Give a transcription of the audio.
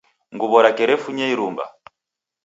Nguw'o rake raw'efunya irumba.